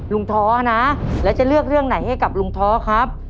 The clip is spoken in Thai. ท้อนะแล้วจะเลือกเรื่องไหนให้กับลุงท้อครับ